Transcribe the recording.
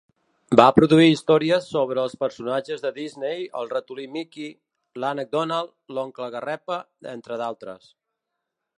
Va produir històries sobre els personatges de Disney el Ratolí Mickey, l'Ànec Donald, l'Oncle Garrepa, entre d'altres.